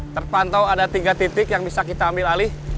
terpantau ada tiga titik yang bisa kita ambil alih